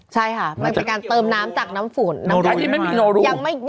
ใช่ค่ะมันเป็นการเติมน้ำจากน้ำฝุ่น